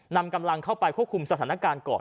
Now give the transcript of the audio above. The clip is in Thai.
นำกำลังเข้าไปควบคุมสถานการณ์ก่อน